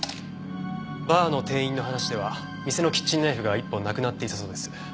バーの店員の話では店のキッチンナイフが１本なくなっていたそうです。